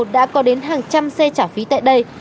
đã có đến hàng trăm xe trả phí tại đây